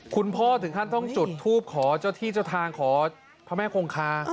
คุณพ่อถึงขั้นต้องจุดทูปขอเจ้าที่เจ้าทางขอพระแม่คงคา